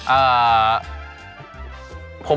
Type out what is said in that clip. อ่า